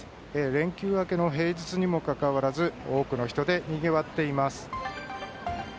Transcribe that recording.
連休明けの平日にもかかわらず多くの人でにぎわっています。